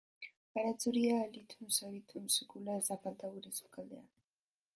Baratxuria, Allium sativum, sekula ez da falta gure sukaldean.